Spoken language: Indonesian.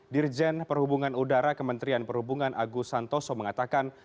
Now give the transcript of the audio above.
dirjen perhubungan udara kementerian perhubungan agus santoso mengatakan